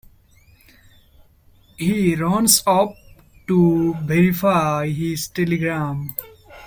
He runs up to verify his telegram.